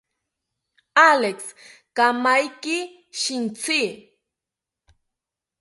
Alex, kaimaki shintzi